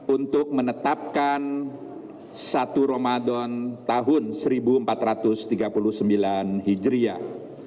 untuk menetapkan satu ramadan tahun seribu empat ratus tiga puluh sembilan hijriah